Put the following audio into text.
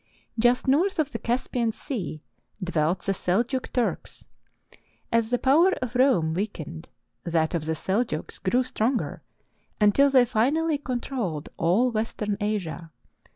Just north of the Caspian Sea dwelt the Seljuk Turks. As the power of Rome weakened, that of the Seljuks grew stronger until they finally controlled all Western Asia.